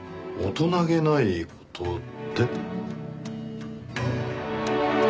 大人げない事って？